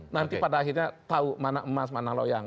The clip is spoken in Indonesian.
nanti pada akhirnya tahu mana emas mana loyang